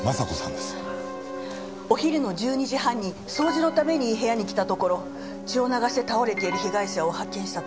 お昼の１２時半に掃除のために部屋に来たところ血を流して倒れている被害者を発見したと。